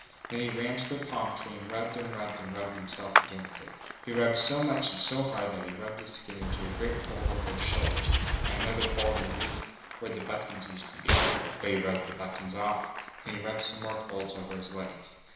Then he ran to the palm tree and rubbed and rubbed and rubbed himself against it. He rubbed so much and so hard that he rubbed his skin into a great fold over his shoulders, and another fold underneath, where the buttons used to be (but he rubbed the buttons off), and he rubbed some more folds over his legs.